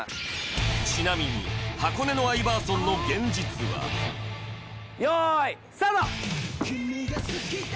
ちなみに箱根のアイバーソンの現実は用意スタート